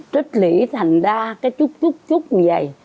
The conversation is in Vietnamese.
trích lĩ thành đa cái chút chút chút như vầy